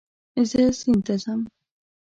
زه سیند ته ځم